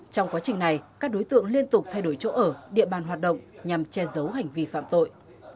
trong quá trình này các đối tượng liên tục thay đổi chỗ ở địa bàn hoạt động nhằm che giấu hành vi phạm tội